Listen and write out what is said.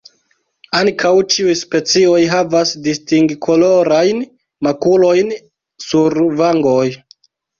Ankaŭ ĉiuj specioj havas distingkolorajn makulojn sur vangoj.